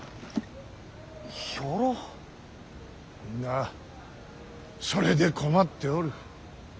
みんなそれで困っておる。